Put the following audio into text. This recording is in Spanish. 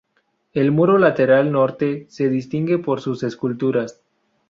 El muro lateral norte se distingue por sus esculturas.